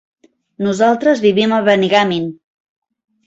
Nosaltres vivim a Benigànim.